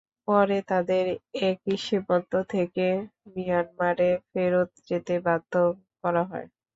পরে তাদের একই সীমান্ত দিয়ে মিয়ানমারে ফেরত যেতে বাধ্য করা হয়।